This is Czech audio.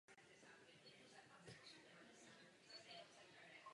Následnictví pokračovalo po linii syna Eliáše Roberta.